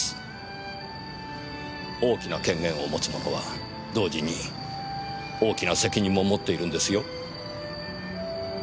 大きな権限を持つ者は同時に大きな責任も持っているんですよ。